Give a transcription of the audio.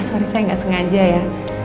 sorry saya nggak sengaja ya